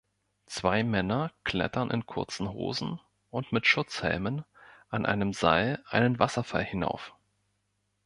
Zwei Männer klettern in kurzen Hosen und mit Schutzhelmen an einem Seil einen Wasserfall hinauf.